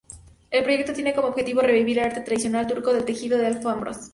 El proyecto tiene como objetivo revivir el arte tradicional turco del tejido de alfombras.